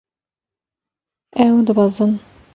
Ew dibezin.